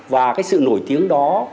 và cái sự nổi tiếng đó